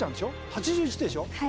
８１でしょ